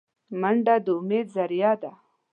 منډه د امید ذریعه ده